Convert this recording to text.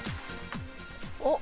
おっ！